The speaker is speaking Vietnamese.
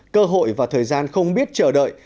cơ hội và thời gian không biết chờ đợi